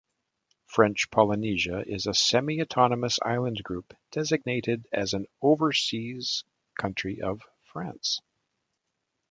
French Polynesia is a semi-autonomous island group designated as an overseas country of France.